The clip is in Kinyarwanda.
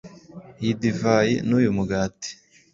iyi Divayi, n'uyu Mugati